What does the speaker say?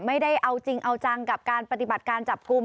ไม่ได้เอาจริงเอาจังกับการปฏิบัติการจับกลุ่ม